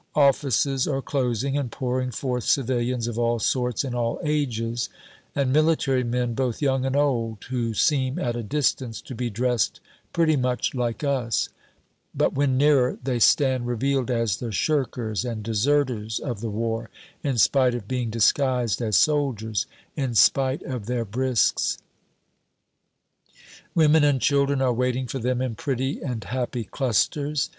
Offices are closing, and pouring forth civilians of all sorts and all ages, and military men both young and old, who seem at a distance to be dressed pretty much like us; but when nearer they stand revealed as the shirkers and deserters of the war, in spite of being disguised as soldiers, in spite of their brisques. [note 1] Women and children are waiting for them, in pretty and happy clusters.